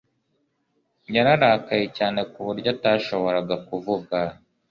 yararakaye cyane ku buryo atashoboraga kuvuga